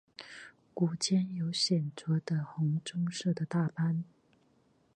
股间有显着的红棕色的大斑。